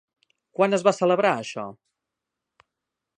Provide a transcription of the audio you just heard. Quan es va celebrar això?